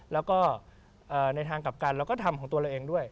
แล้วก็ในทางกลับกันเราก็ทำของตัวเราเองด้วย